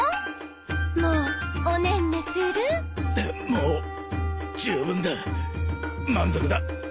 もう十分だ満足だ。